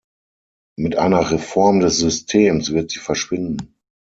Mit einer Reform des Systems wird sie verschwinden.